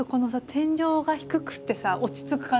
天井が低くてさ落ち着く感じしない？